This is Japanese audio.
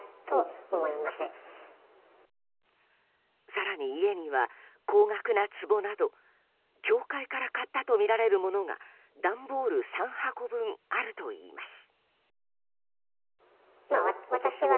更に、家には高額なつぼなど教会から買ったとみられるものが段ボール３箱分あるといいます。